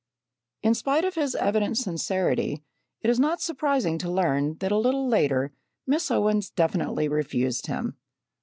In spite of his evident sincerity, it is not surprising to learn that a little later, Miss Owens definitely refused him.